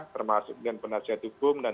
termasuk dengan penasihat hukum dan